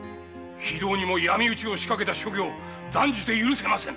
非道にも闇討ちを仕掛けた所業断じて許せませぬ！